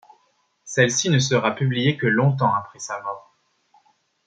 Celle-ci ne sera publiée que longtemps après sa mort.